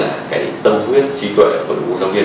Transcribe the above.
vẫn là cái tâm nguyên trí tuệ của những giáo viên